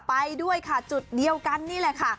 ไปด้วยค่ะจุดเดียวกันนี่แหละค่ะ